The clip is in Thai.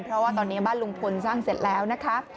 เพราะว่าตอนนี้บ้านลุงพลสร้างเสร็จแล้วนะคะ